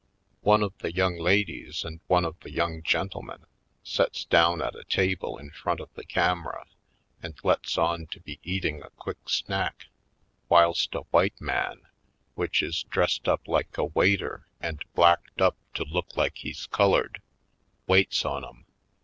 One of the young ladies and one of the young gentlemen sets down at a table in front of the camera and lets on to be eating a quick snack whilst a white man, which is dressed up like a waiter and blacked up to look like he's colored, waits on 'em.